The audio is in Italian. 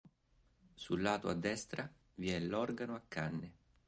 Sul lato a destra vi è l'organo a canne.